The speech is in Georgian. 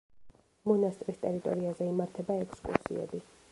მონასტრის ტერიტორიაზე იმართება ექსკურსიები.